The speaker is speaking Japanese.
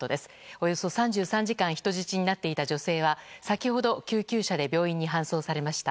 およそ３３時間人質になっていた女性は先ほど救急車で病院に搬送されました。